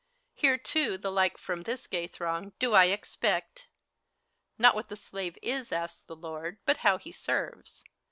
Here, too, the like from this gay throng do I ex]>ect: Not what the slave is, asks the lord, but how he serves.